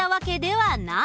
はい。